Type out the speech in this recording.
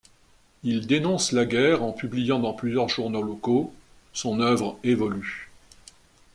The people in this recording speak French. Il dénonce la guerre en publiant dans plusieurs journaux locaux, son œuvre évolue.